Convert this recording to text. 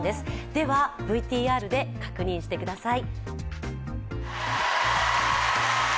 では、ＶＴＲで確認してください。